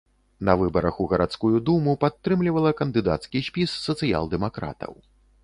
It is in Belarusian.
На выбарах у гарадскую думу падтрымлівала кандыдацкі спіс сацыял-дэмакратаў.